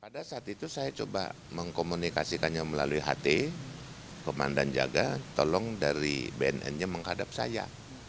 pada saat itu saya coba mengkomunikasikannya melalui ht komandan jaga tolong dari bnn nya menghadap saya